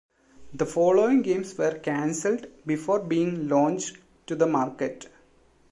The following games were cancelled before being launched to the market.